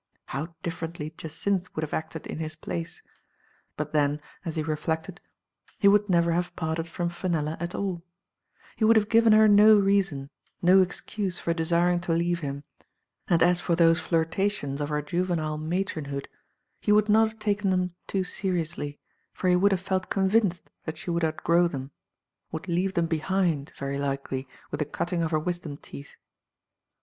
How differently Jacynth would Digitized by Google " TASAfA. ^9^ have acted in* his place ; but then, as he reflected, he would never have parted from Fenella at all* He would have given her no reason, no excuse for desiring to leave him, and as for those flirta tions of her juvenile matronhood, he would not have taken them too seriously, for he would have felt convinced that she would outgrow them — would leave them behind, very likely, with the cutting of her wisdom teeth.